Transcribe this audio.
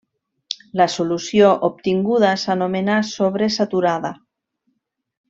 La solució obtinguda s’anomena sobresaturada.